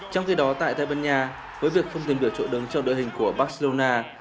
trong khi đó tại tây ban nha với việc không tìm được chỗ đứng cho đội hình của barcelona